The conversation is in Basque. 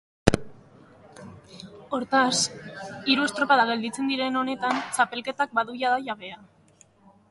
Hortaz, hiru estropada gelditzen diren honetan, txapelketak badu jada jabea.